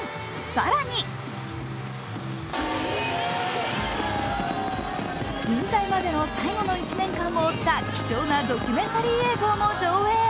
更に引退までの最後の１年間を追った貴重なドキュメンタリー映像も上映。